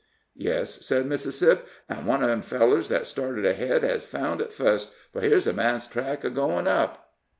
"Yes," said Mississip; "an' one of them fellers that started ahead hez found it fust, fur here's a man's track a goin' up."